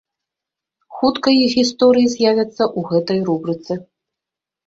Хутка іх гісторыі з'явяцца ў гэтай рубрыцы.